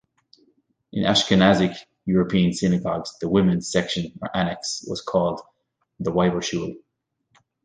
In Ashkenazic European synagogues, the women's section or annex was called the "weibershul".